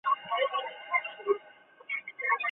具有联觉的人通常被称作联觉人。